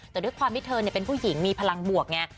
แต่ด้วยความที่เธอเป็นผู้หญิงมีพลังบวกไง